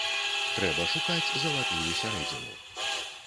Трэба шукаць залатую сярэдзіну.